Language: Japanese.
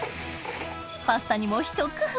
パスタにもひと工夫